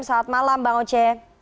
selamat malam bang oce